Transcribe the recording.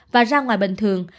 và ra ngoài bình thường